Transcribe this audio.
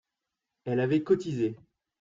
Elle avait cotisé